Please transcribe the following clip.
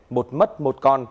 một mất một con